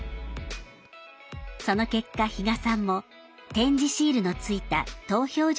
その結果、比嘉さんも点字シールのついた投票所